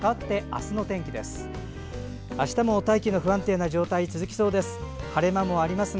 あしたも大気の不安定な状態が続きそうです。